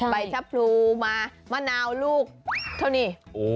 ใบชะพรูมามะนาวลูกเท่านี้